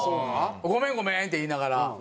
「ごめんごめん」って言いながら。